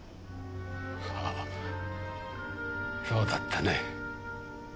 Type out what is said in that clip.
ああそうだったね。